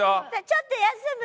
ちょっと休む？